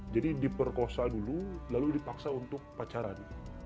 jadi diperkosa dulu lalu dipaksa untuk pacaran